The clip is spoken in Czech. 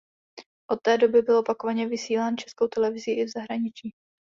Od té doby byl opakovaně vysílán Českou televizí i v zahraničí.